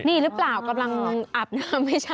นี่หรือเปล่ากำลังอับน้ำให้ช้าง